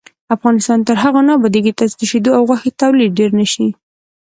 افغانستان تر هغو نه ابادیږي، ترڅو د شیدو او غوښې تولید ډیر نشي.